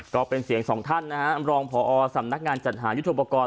ก็เป็นเสียงสองท่านนะฮะรองพอสำนักงานจัดหายุทธโปรกรณ